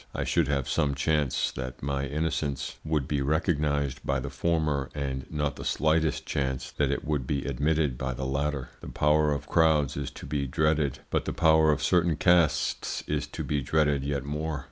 I should have some chance that my innocence would be recognised by the former and not the slightest chance that it would be admitted by the latter. The power of crowds is to be dreaded, but the power of certain castes is to be dreaded yet more.